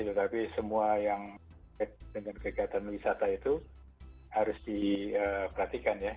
tetapi semua yang dengan kegiatan wisata itu harus diperhatikan ya